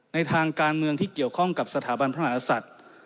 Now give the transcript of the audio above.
ในทางการเมืองที่เกี่ยวข้องกับสถาบันพระมหาศัตริย์